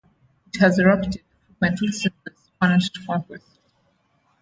It has erupted frequently since the Spanish conquest.